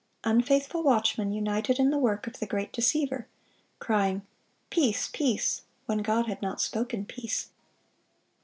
Unfaithful watchmen united in the work of the great deceiver, crying, Peace, peace, when God had not spoken peace.